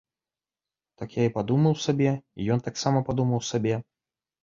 Так я і падумаў сабе, і ён таксама падумаў сабе.